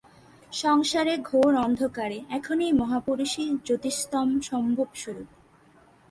সংসারে ঘোর অন্ধকারে এখন এই মহাপুরুষই জ্যোতিঃস্তম্ভস্বরূপ।